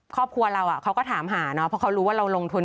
ครอบครัวเราเขาก็ถามหาเนาะเพราะเขารู้ว่าเราลงทุน